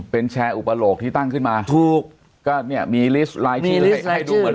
เป็นแชร์อุปรกฉันตั้งขึ้นมาถูกก็เนี่ยมีลิสต์ไลน์ชื่อ